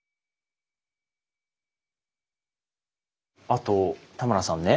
あと田村さんね